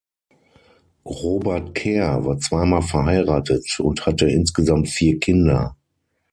Robert Kerr war zweimal verheiratet und hatte insgesamt vier Kinder.